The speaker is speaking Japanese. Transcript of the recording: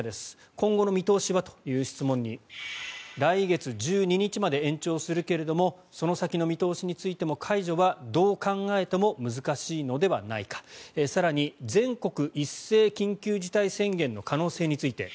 今後の見通しは？という質問に来月１２日まで延長するけれどもその先の見通しについても解除はどう考えても難しいのではないか更に、全国一斉緊急事態宣言の可能性について。